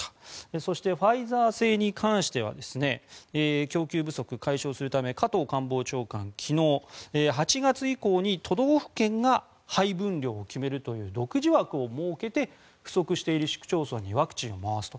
そして、ファイザー製に関しては供給不足を解消するため加藤官房長官、昨日８月以降に都道府県が配分量を決めるという独自枠を設けて不足している市区町村にワクチンを回すと。